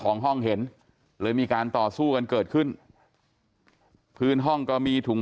ของห้องเห็นเลยมีการต่อสู้กันเกิดขึ้นพื้นห้องก็มีถุง